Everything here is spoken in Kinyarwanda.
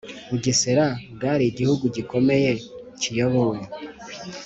Bugesera bwari igihugu gikomeye kiyobowe